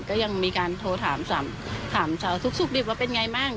ก็ยังมีการโทรถามสำถามเจ้าสุขดิบว่าเป็นไงบ้าง